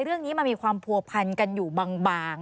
เรื่องนี้มันมีความผัวพันกันอยู่บาง